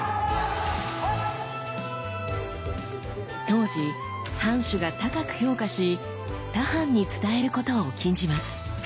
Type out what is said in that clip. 当時藩主が高く評価し他藩に伝えることを禁じます。